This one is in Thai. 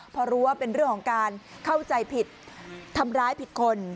พอรู้ว่าเป็นเรื่องของการเข้าใจผิดทำร้ายผิดคน